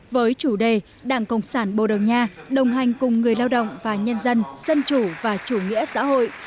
với chủ đề đảng cộng sản bồ đầu nha đồng hành cùng người lao động và nhân dân dân chủ và chủ nghĩa xã hội